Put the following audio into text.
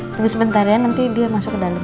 tunggu sebentar ya nanti dia masuk ke dalem